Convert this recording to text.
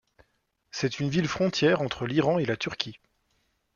C'est une ville frontière entre l'Iran et la Turquie.